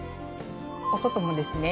お外もですね